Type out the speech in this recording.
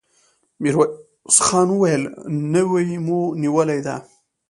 ميرويس خان وويل: نوې مو نيولې ده!